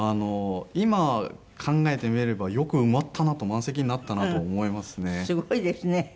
今考えてみればよく埋まったなと満席になったなと思いますね。